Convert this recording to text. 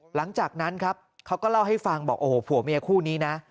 หลังจากนั้นครับเขาก็เล่าให้ฟังบอกโอ้โหผัวเมียคู่นี้นะ